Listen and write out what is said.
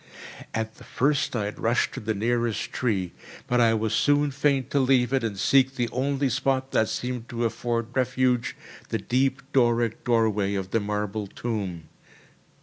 At the first I had rushed to the nearest tree; but I was soon fain to leave it and seek the only spot that seemed to afford refuge, the deep Doric doorway of the marble tomb.